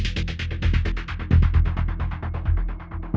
ปีครึ่งอ่ะค่ะอืม